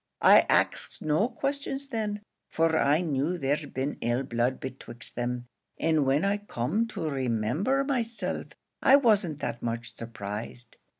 I axed no questions thin, for I knew there'd been ill blood betwixt them, and when I comed to remember myself, I wasn't that much surprised.